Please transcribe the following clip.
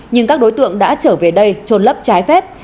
nhưng các đối tượng đã trở về đây trôn lấp trái phép